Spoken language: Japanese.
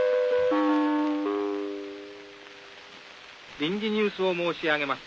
「臨時ニュースを申し上げます。